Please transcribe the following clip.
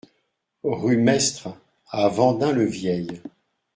Rue Maistre à Vendin-le-Vieil